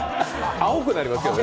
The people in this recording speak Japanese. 青くなりますよね。